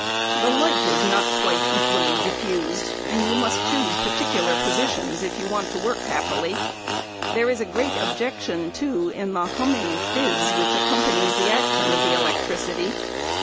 The light is not quite equally diffused, and you must choose particular positions if you want to work happily. There is a great objection, too, in the humming fizz which accompanies the action of the electricity.